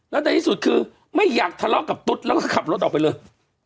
แต่ในที่สุดคือไม่อยากทะเลาะกับตุ๊ดคงขับก่อนออกไปเลย